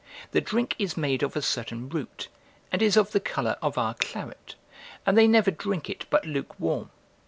Their drink is made of a certain root, and is of the colour of our claret, and they never drink it but lukewarm.